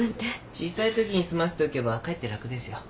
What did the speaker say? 小さいときに済ませておけばかえって楽ですよ。